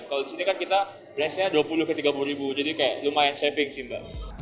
kalau di sini kan kita berasnya dua puluh ke tiga puluh ribu jadi kayak lumayan saving sih mbak